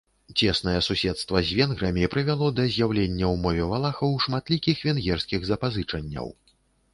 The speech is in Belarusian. Цеснае суседства з венграмі прывяло да з'яўлення ў мове валахаў шматлікіх венгерскіх запазычанняў.